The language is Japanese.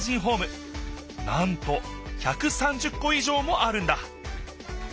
なんと１３０こいじょうもあるんだ